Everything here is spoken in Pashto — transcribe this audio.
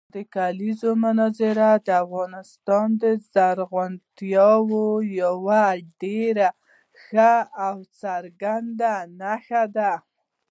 د کلیزو منظره د افغانستان د زرغونتیا یوه ډېره ښه او څرګنده نښه ده.